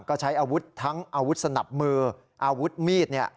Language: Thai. ก็ใช้อาวุธทั้งอาวุธสนับมืออาวุธมีด